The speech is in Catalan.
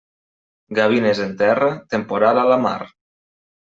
Gavines en terra, temporal a la mar.